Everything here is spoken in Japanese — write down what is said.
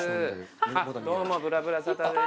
どうも『ぶらぶらサタデー』です。